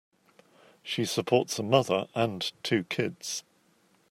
She supports a mother and two kids.